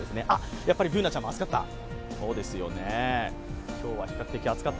やっぱりＢｏｏｎａちゃんも暑かった？